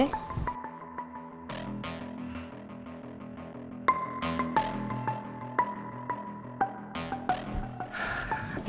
kau bisa si